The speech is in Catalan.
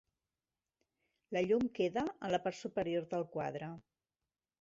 La llum queda en la part superior del quadre.